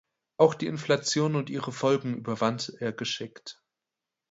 Auch die Inflation und ihre Folgen überwand er geschickt.